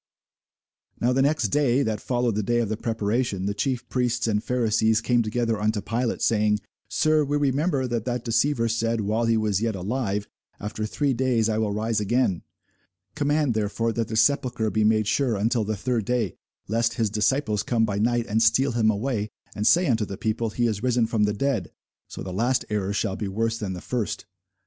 Now the next day, that followed the day of the preparation, the chief priests and Pharisees came together unto Pilate, saying, Sir, we remember that that deceiver said, while he was yet alive, After three days I will rise again. Command therefore that the sepulchre be made sure until the third day, lest his disciples come by night, and steal him away, and say unto the people, He is risen from the dead: so the last error shall be worse than the first.